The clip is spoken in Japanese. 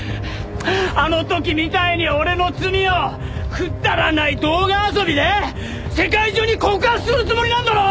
あの時みたいに俺の罪をくだらない動画遊びで世界中に告発するつもりなんだろ！